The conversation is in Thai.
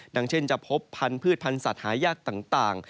ดังเช่นจะพบพันธุ์พืชพันธุ์สัตว์หายากต่าง